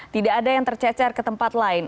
tidak ada yang tercecer ke tempat lain